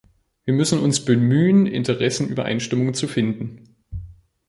Wie müssen uns bemühen, Interessenübereinstimmungen zu finden.